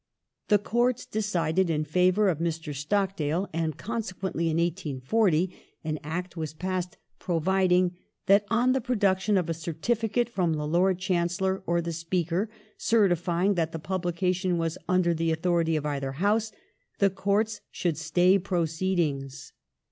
^ The Courts decided in favour of Mr. Stockdale, and consequently in 1840 an Act was passed providing that on the production of a certificate from the Lord Chancellor or the Speaker certifying that the publication was under the authority of either House, the Courts should stay proceedings.